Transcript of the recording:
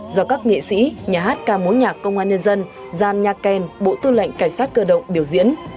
do các nghệ sĩ nhà hát ca mối nhạc công an nhân dân gian nha ken bộ tư lệnh cảnh sát cơ động biểu diễn